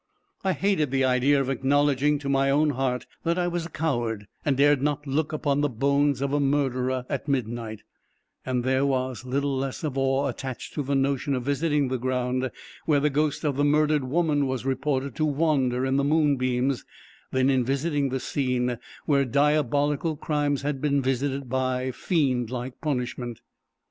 I hated the idea of acknowledging to my own heart, that I was a coward, and dared not look upon the bones of a murderer at midnight; and there was little less of awe attached to the notion of visiting the ground where the ghost of the murdered woman was reported to wander in the moonbeams, than in visiting the scene where diabolical crimes had been visited by fiend like punishment.